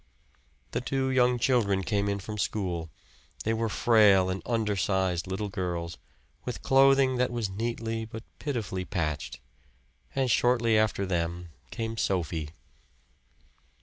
The two young children came in from school; they were frail and undersized little girls, with clothing that was neatly but pitifully patched. And shortly after them came Sophie.